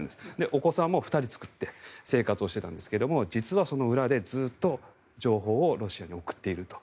お子さんも２人作って生活していたんですけど実はその裏でずっと情報をロシアに送っていると。